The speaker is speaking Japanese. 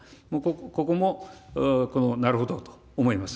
ここもなるほどと思います。